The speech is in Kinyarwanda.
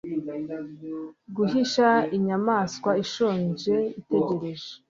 Guhisha inyamaswa ishonje itegereje